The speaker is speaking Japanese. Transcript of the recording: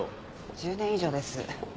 １０年以上です。